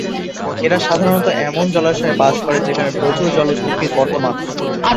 এরা সাধারণত এমন জলাশয়ে বাস করে যেখানে প্রচুর জলজ উদ্ভিদ বর্তমান।